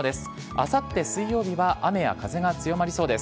あさって水曜日は雨や風が強まりそうです。